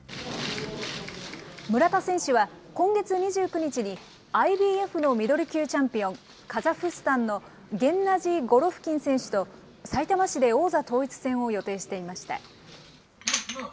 村田選手は、今月２９日にＩＢＦのミドル級チャンピオン、カザフスタンのゲンナジー・ゴロフキン選手と、さいたま市で王座統一戦を予定していました。